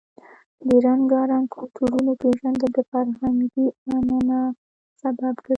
د رنګارنګ کلتورونو پیژندل د فرهنګي غنا سبب ګرځي.